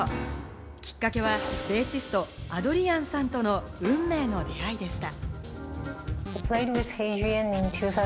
きっかけはベーシスト、アドリアンさんとの運命の出会いでした。